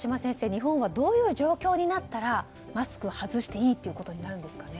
日本はどういう状況になったらマスクを外していいことになるんですかね。